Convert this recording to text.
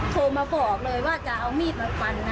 โทรมาบอกเลยว่าจะเอามีดมาฟัน